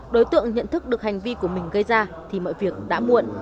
đối tượng nhận thức được hành vi của mình gây ra thì mọi việc đã muộn